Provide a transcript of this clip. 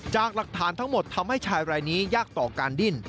จากหลักฐานทั้งหมดทำให้ชายรายนี้ยากต่อการดิ้น